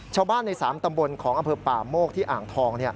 ชาวบ้านใน๓ตำบลของอำเภอป่าโมกที่อ่างทอง